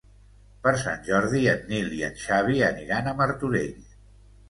Per Sant Jordi en Nil i en Xavi aniran a Martorell.